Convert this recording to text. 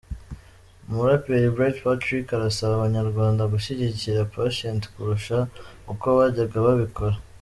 Umuraperi Bright Patrick arasaba abanyarwanda gushyigikira Patient kurusha uko bajyaga babikora.